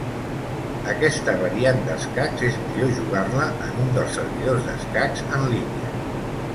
Aquesta variant d'escacs és millor jugar-la en un dels servidors d'escacs en línia.